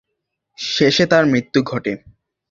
শেষে তার মৃত্যু ঘটে।